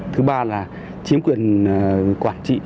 thứ ba là chiếm quyền quản trị